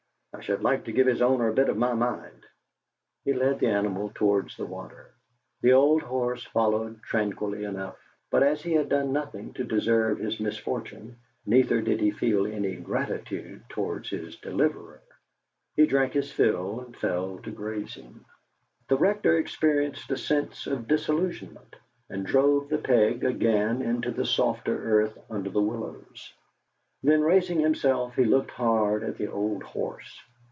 I should like to give his owner a bit of my mind!" He led the animal towards the water. The old horse followed tranquilly enough, but as he had done nothing to deserve his misfortune, neither did he feel any gratitude towards his deliverer. He drank his fill, and fell to grazing. The Rector experienced a sense of disillusionment, and drove the peg again into the softer earth under the willows; then raising himself, he looked hard at the old horse.